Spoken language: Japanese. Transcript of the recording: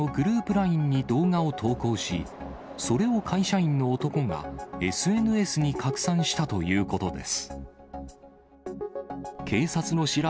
ＬＩＮＥに動画を投稿し、それを会社員の男がＳＮＳに拡散したということです。